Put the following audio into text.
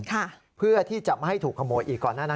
เพื่อที่จะไม่ให้ถูกขโมยอีกก่อนหน้านั้น